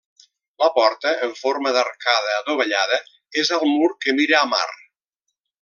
La porta, en forma d'arcada adovellada, és al mur que mira a mar.